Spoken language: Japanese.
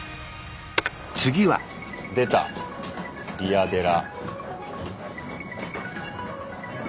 出た「リアデラ」。